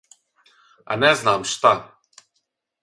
А не знам шта.